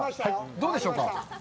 どうでしょうか？